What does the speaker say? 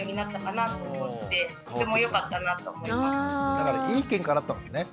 だからいいケンカだったんですね。